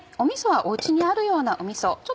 みそはお家にあるようなみそ。